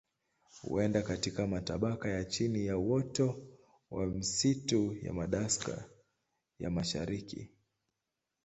Huenda katika matabaka ya chini ya uoto wa misitu ya Madagaska ya Mashariki.